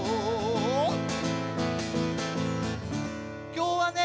きょうはね